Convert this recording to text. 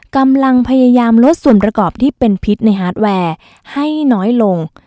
กำลังพยายามลดส่วนประกอบที่เป็นพิษในฮาร์ดแวร์ให้น้อยลง